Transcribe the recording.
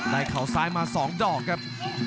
เข่าซ้ายมา๒ดอกครับ